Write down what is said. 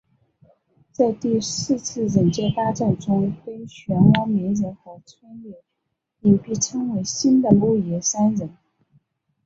在第四次忍界大战中跟漩涡鸣人和春野樱被称为新的木叶三忍。